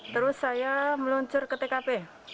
terus saya meluncur ke tkp